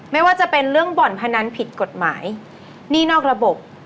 ไม่ว่าจะเป็นเรื่องบ่อนพนันผิดกฎหมายหนี้นอกระบบ